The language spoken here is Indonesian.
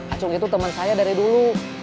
acung itu teman saya dari dulu